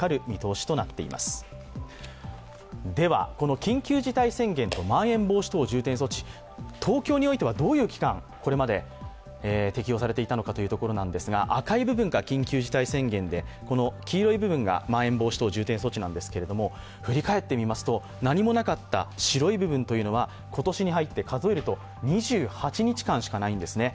緊急事態宣言とまん延防止等重点措置、東京においてはどういう期間これまで適用されていたのかというところなんですが赤い部分が緊急事態宣言で黄色い部分がまん延防止等重点措置なんですけれども振り返ってみますと何もなかった白い部分というのは今年に入って数えると２８日間しかないんですね。